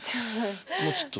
もうちょっと。